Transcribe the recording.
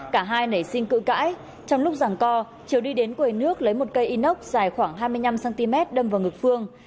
cả hai nảy sinh cự cãi trong lúc giảng co triều đi đến quầy nước lấy một cây inox dài khoảng hai mươi năm cm đâm vào ngực phương